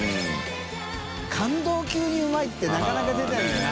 感動級にウマい」ってなかなか出ないよな。